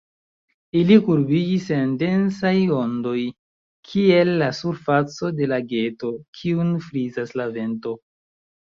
Ili kurbiĝis en densaj ondoj, kiel la surfaco de lageto, kiun frizas la vento.